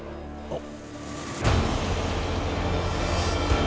あっ。